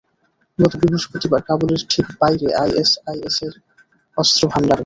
গত বৃহস্পতিবার কাবুলের ঠিক বাইরে আইএসআইএসের অস্ত্র ভান্ডারে।